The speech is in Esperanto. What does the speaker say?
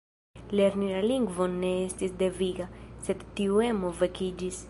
Lerni la lingvon ne estis deviga, sed tiu emo vekiĝis.